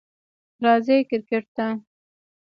راځئ کریکټ ته!